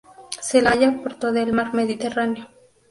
Se la halla por todo el mar Mediterráneo.